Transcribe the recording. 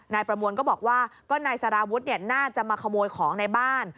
นายประมวลก็บอกว่าก็นายสารวุฒิน่าจะมาขโมยของในบ้าน